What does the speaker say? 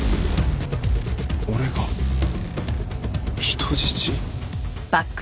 俺が人質！？